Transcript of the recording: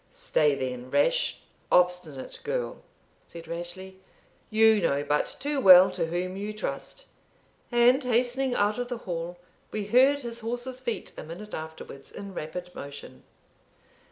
"Stay then, rash, obstinate girl," said Rashleigh; "you know but too well to whom you trust;" and hastening out of the hall, we heard his horse's feet a minute afterwards in rapid motion.